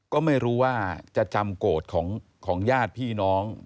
ก็ไม่รู้ว่าจะจำโกรธของญาติพี่น้อง